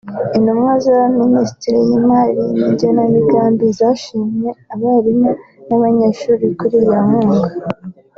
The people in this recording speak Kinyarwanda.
Intumwa za Minisiteri y’Imari n’Igenamigambi zashimye abarimu n’abanyeshuri kuri iyo nkunga